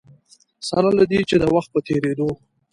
سره له دې چې د وخت په تېرېدو.